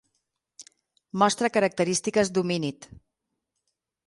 Mostra característiques d'homínid.